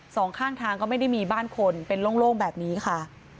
สองข้างทางก็ไม่ได้มีบ้านคนเป็นโล่งแบบนี้ค่ะ